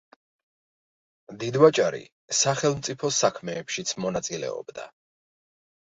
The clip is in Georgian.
დიდვაჭარი სახელმწიფო საქმეებშიც მონაწილეობდა.